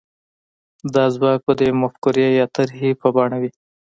دا ځواک به د يوې مفکورې يا طرحې په بڼه وي.